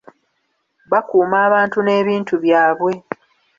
Bakuuma abantu n'ebintu byabwe.